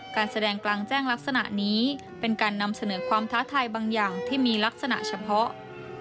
การแสดงกลางแจ้งลักษณะนี้เป็นการนำเสนอความท้าทายบางอย่างที่มีลักษณะเฉพาะ